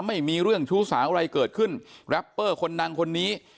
ไม่มีเรื่องชู้สาวอะไรเกิดขึ้นแรปเปอร์คนดังคนนี้